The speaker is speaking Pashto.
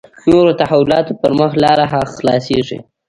نورو تحولاتو پر مخ لاره خلاصېږي.